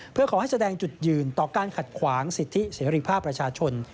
เพื่อขอให้แสดงจุดยืนต่อการขัดขวางสิทธิเสรีภาพประชาชน